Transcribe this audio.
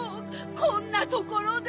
こんなところで。